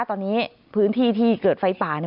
ตอนนี้พื้นที่ที่เกิดไฟป่า